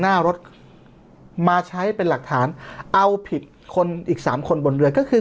หน้ารถมาใช้เป็นหลักฐานเอาผิดคนอีกสามคนบนเรือก็คือ